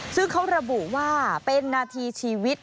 ซึ่งเขาระบุว่าเป็นนาทีชีวิต